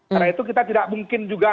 karena itu kita tidak mungkin juga